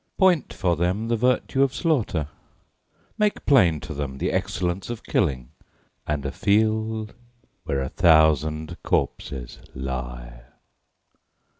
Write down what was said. Point for them the virtue of slaughter, Make plain to them the excellence of killing And a field where a thousand corpses lie.